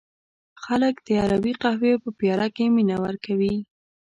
خلک د عربی قهوې په پیاله کې مینه ورکوي.